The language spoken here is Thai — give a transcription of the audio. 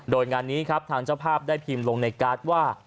โดยงานนี้ครับทางเจ้าภาพได้พิมพ์ลงในการ์ดว่า